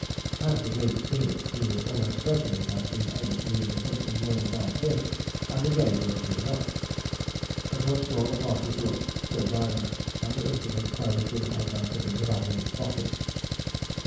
Had the Greek seen it, he would almost certainly have been able to read a simple word like this, and the game would have been up. But once more the party's luck stood by them, and the incident closed with the headman putting the bag in his pocket.